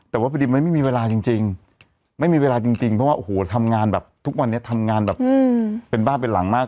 แต่ว่าพอดีมันไม่มีเวลาจริงไม่มีเวลาจริงเพราะว่าโอ้โหทำงานแบบทุกวันนี้ทำงานแบบเป็นบ้านเป็นหลังมาก